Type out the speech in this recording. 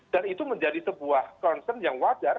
dan itu menjadi sebuah concern yang wajar